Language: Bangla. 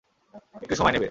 একটু সময় নেবে।